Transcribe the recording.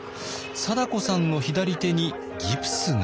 貞子さんの左手にギプスが。